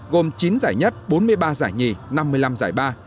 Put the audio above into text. gồm chín giải nhất bốn mươi ba giải nhì năm mươi năm giải ba